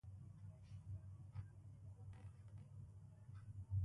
Wécyə̌ té wé ŋkambwə̌ yē kə̂ á mbə̄ yé mbə̄ tɛ̌sáʼ.